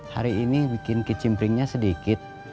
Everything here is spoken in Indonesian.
hari ini bikin kicim pringnya sedikit